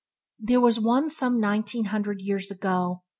There was one such some nineteen hundred years ago.